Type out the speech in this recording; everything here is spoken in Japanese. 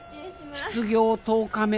失業１０日目。